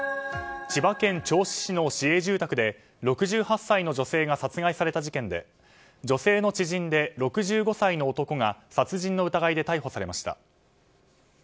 千葉県銚子市の市営住宅で６８歳の女性が殺害された事件で女性の知人で６５歳の男が殺人の疑いで逮捕されました。